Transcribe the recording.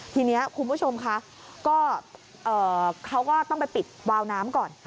ทีนี้คุณผู้ชมคะก็เขาก็ต้องไปปิดวาวน้ำก่อน